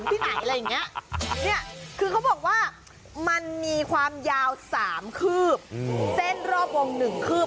ที่ไหนอะไรอย่างเงี้ยเนี่ยคือเขาบอกว่ามันมีความยาว๓คืบเส้นรอบวง๑คืบ